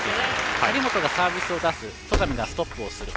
張本がサービスを出す戸上がストップする。